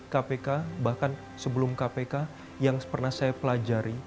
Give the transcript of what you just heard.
kpk bahkan sebelum kpk yang pernah saya pelajari